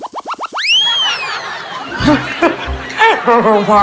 แหละขอบคุณพี่ที่โอเค